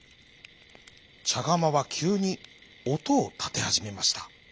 ちゃがまはきゅうにおとをたてはじめました。